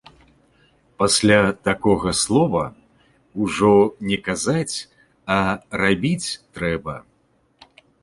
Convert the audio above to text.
Пасля такога слова ўжо не казаць, а рабіць трэба.